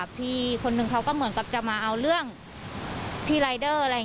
พี่คนหนึ่งเขาก็เหมือนกับจะมาเอาเรื่องพี่รายเดอร์